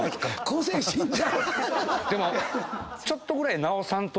でも。